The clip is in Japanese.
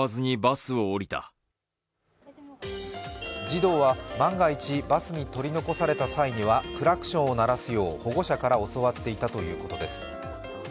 児童は、万が一バスに取り残された際にはクラクションを鳴らすよう保護者から教わっていたということです。